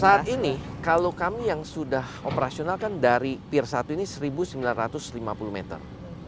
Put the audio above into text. saat ini kalau kami yang sudah operasional kan dari pier satu ini seribu sembilan ratus lima puluh meter